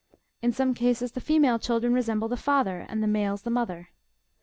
In some cases the female children resemble the father, and the males the mother.